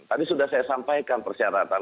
tadi sudah saya sampaikan persyaratan